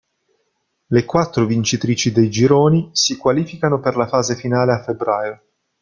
Le quattro vincitrici dei gironi si qualificano per la fase finale a febbraio.